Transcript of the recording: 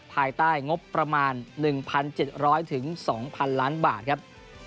ภายใต้งบประมาณ๑๗๐๐๒๐๐๐ล้านบาทครับ